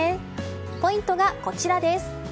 ポイントがこちらです。